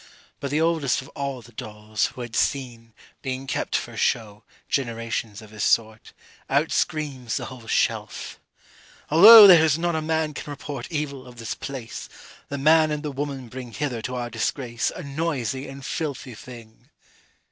But the oldest of all the dolls Who had seen, being kept for show, Generations of his sort, Out screams the whole shelf: 'Although There's not a man can report Evil of this place, The man and the woman bring Hither to our disgrace, A noisy and filthy thing.'